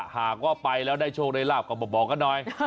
ถ้าว่าไปแล้วได้โชคในลาบก็บอกกันหน่อย